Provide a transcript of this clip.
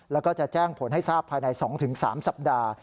แล้วก็จะแจ้งผลให้ทราบภายใน๒๓สัปดาห์